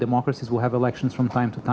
demokrasi akan memiliki pilihan dari saat ke saat